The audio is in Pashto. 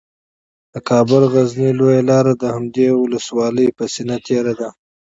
د کابل غزني لویه لاره د همدې ولسوالۍ په سینه تیره ده